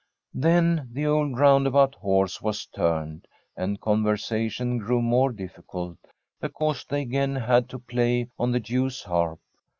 Then the old roundabout horse was turned, and conversation grew more difficult, because they again had to play on the Jews' harp.